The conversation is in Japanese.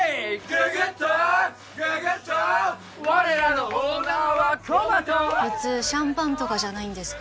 ぐぐっとーぐぐっとー我らのオーナーはコバト普通シャンパンとかじゃないんですか？